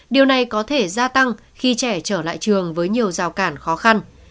điều này có thể gia tăng khi trẻ trở lại trường với nhiều rào cản khó khăn